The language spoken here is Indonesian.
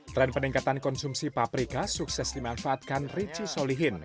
trend peningkatan konsumsi paprika sukses dimanfaatkan richie solihin